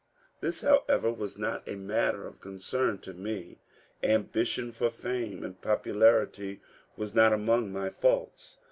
This, however, was not a matter of concern to me. Ambition for fame and popularity was not among my faults.